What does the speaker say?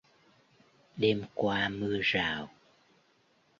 Đêm qua mưa rào